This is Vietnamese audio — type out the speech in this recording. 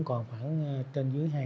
khoảng trên dưới